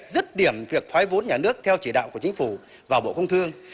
rất điểm việc thoái vốn nhà nước theo chỉ đạo của chính phủ vào bộ công thương